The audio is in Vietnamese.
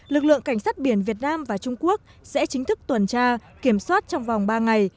lực lượng cảnh sát biển việt nam và trung quốc sẽ chính thức tuần tra kiểm soát trong vòng ba ngày